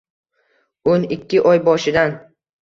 O‘n ikki oy boshidan